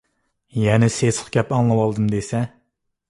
يەنە سېسىق گەپ ئاڭلىۋالدىم دېسە.